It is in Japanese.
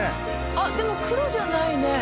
あっでも黒じゃないね。